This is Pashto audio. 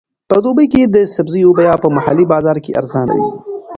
په دوبي کې د سبزیو بیه په محلي بازار کې ارزانه وي.